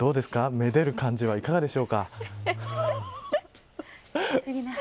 めでる感じはいかがでしょうか。